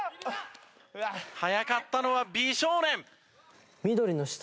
早かったのは美少年。